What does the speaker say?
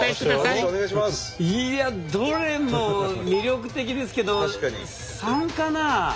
いやどれも魅力的ですけど３かな？